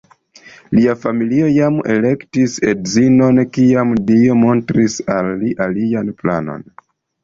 Lia familio jam elektis edzinon, kiam Dio montris al li alian planon.